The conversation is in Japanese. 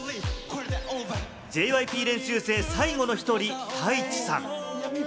ＪＹＰ練習生最後の１人、タイチさん。